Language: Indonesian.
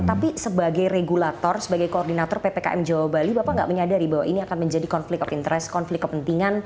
tapi sebagai regulator sebagai koordinator ppkm jawa bali bapak enggak menyadari bahwa ini akan menjadi konflik of interest konflik kepentingan